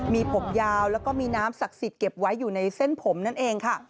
มีผมยาวแล้วก็มีน้ำศักดิ์สิทธิ์เก็บไว้อยู่ในเส้นผมนั่นเองค่ะ